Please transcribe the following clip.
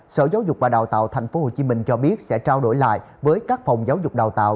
sở giáo dục và đào tạo tp hcm cho biết sẽ trao đổi lại với các phòng giáo dục đào tạo